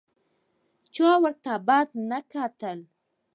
چا ورته بد نه کتل.